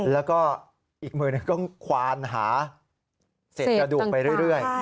แล้วก็อีกมือต้องควานหาเสร็จกระดูกไปเรื่อย